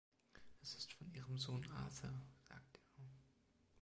„Es ist von Ihrem Sohn Arthur“, sagte er.